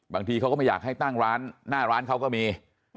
บางทีเขาก็ไม่อยากให้น่าร้านเขาก็มาให้ออกมา